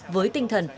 với tinh thần